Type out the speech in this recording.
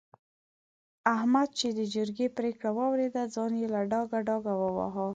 احمد چې د جرګې پرېکړه واورېده؛ ځان يې له ډاګه ډاګه وواهه.